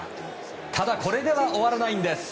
ただ、これでは終わらないんです。